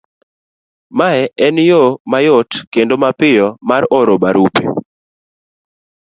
Mae en yo mayot kendo mapiyo mar oro barupe,